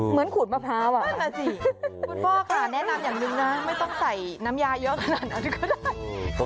ขูดมะพร้าวนั่นน่ะสิคุณพ่อค่ะแนะนำอย่างหนึ่งนะไม่ต้องใส่น้ำยาเยอะขนาดนั้นก็ได้